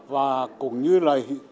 và cũng như là